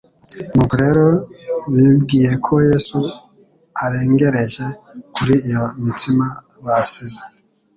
Nuko rero bibwiye ko Yesu arengereje kuri iyo mitsima basize,